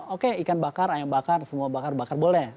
oke ikan bakar ayam bakar semua bakar bakar boleh